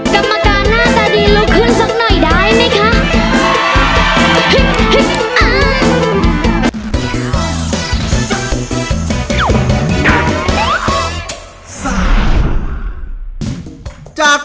จากนี้นะครับ